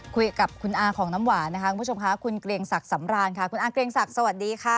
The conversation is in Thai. คุยกับคุณอาของน้ำหวานนะคะคุณผู้ชมค่ะคุณเกรียงศักดิ์สำรานค่ะคุณอาเกรียงศักดิ์สวัสดีค่ะ